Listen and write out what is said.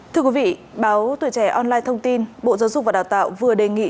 thưa quý vị báo tuổi trẻ online thông tin bộ giáo dục và đào tạo vừa đề nghị